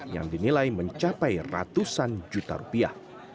yang dinilai mencapai ratusan juta rupiah